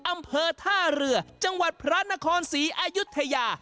อำเภอท่าเรือจังหวัดพระนครศรีอายุทยา